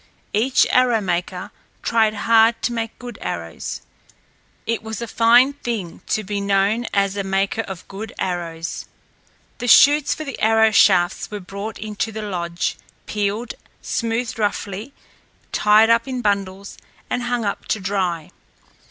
Each arrowmaker tried hard to make good arrows. It was a fine thing to be known as a maker of good arrows. The shoots for the arrow shafts were brought into the lodge, peeled, smoothed roughly, tied up in bundles, and hung up to dry.